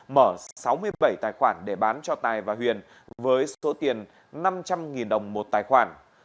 mở sáu mươi bảy tài khoản để bán cho tài và huyền với số tiền năm trăm linh đồng một tài khoản